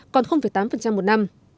còn tám một năm